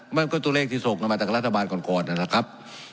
มันก็ตัวเลขที่ส่งมาจากรัฐบาลก่อนนั้นแหละครับ